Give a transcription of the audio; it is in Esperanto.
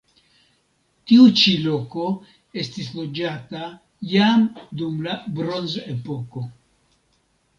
Tiu ĉi loko estis loĝata jam dum la bronzepoko.